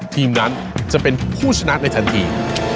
ทีมนั้นจะเป็นผู้ชนะในทันที